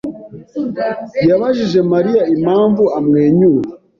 yabajije Mariya impamvu amwenyura.